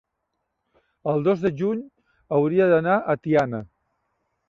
el dos de juny hauria d'anar a Tiana.